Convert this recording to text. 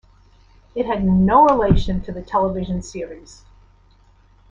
It had no relation to the television series.